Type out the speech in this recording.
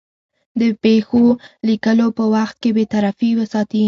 د پېښو لیکلو په وخت کې بېطرفي وساتي.